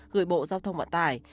gửi bộ giao thông vận tải